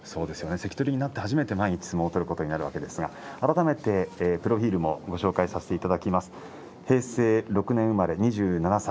関取になって初めて毎日相撲を取るわけですが改めてプロフィールをご紹介させていただきます。